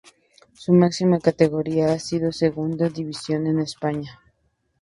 Su máxima categoría ha sido Segunda División de España.